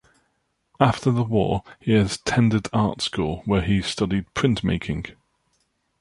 After the war, he attended art school, where he studied printmaking.